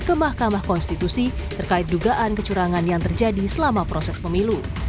ke mahkamah konstitusi terkait dugaan kecurangan yang terjadi selama proses pemilu